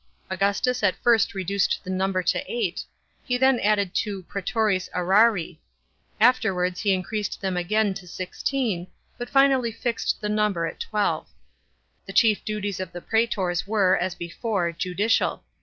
Augustus at first reduced the number to eigjht ; he then added two prsetores serarii ; J afterwards he increased them again to sixteen, but finally fixed the number at twelve. The chief duties of the prsetors were, as before, judicial.